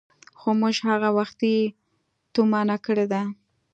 خو موږ هغه وختي تومنه کړي دي.